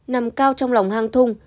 nằm cao trong lòng hang thung